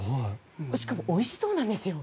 しかも、おいしそうなんですよ。